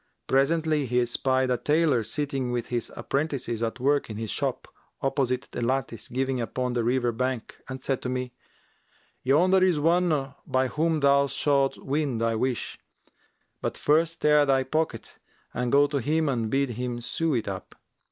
Presently he espied a tailor sitting with his apprentices at work in his shop, opposite the lattice giving upon the river bank and said to me, 'Yonder is one by whom thou shalt win thy wish; but first tear thy pocket and go to him and bid him sew it up.